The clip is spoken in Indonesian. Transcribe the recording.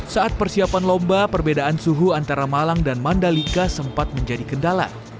saat persiapan lomba perbedaan suhu antara malang dan mandalika sempat menjadi kendala